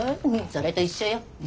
それと一緒よ。